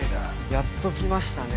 やっと来ましたね。